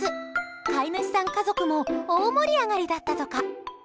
飼い主さん家族も大盛り上がりだったとか。